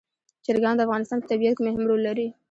چرګان د افغانستان په طبیعت کې مهم رول لري.